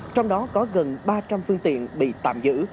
trong đó có gần ba trăm linh phương tiện bị tạm giữ